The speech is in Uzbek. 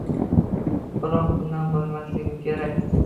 Biroq bunday bo‘lmasligi kerak!